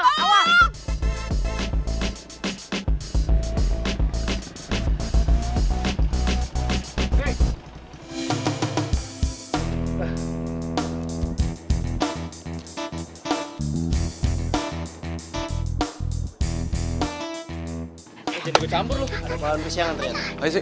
lo kaya gak volume siang kan interview